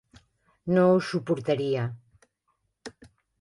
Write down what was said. No ho suportaria.